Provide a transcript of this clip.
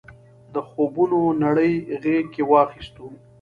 د خوبونو نړۍ غېږ کې واخیستو.